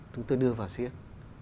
chúng tôi đưa vào siếc